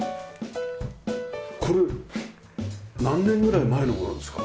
これ何年ぐらい前のものですか？